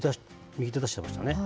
右手、出してましたね。